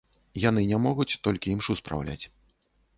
Яны не могуць толькі імшу спраўляць.